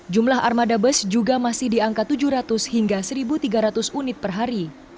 jumlah armada bus juga masih di angka tujuh ratus hingga satu tiga ratus unit per hari